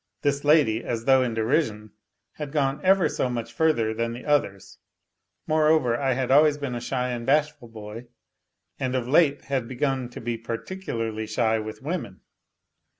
This lady, as though in derision, had gone ever so much further than the others. Moreover, I had always been a shy and bashful boy, and of late had begun to be particularly shy with women.